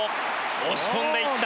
押し込んでいった。